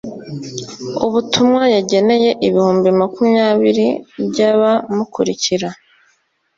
ubutumwa yageneye ibihumbi makumyabiri by’abamukurikira